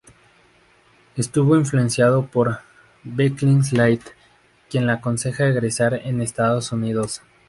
Estuvo influenciado por Beckinsale, quien le aconseja egresar en Estados Unidos.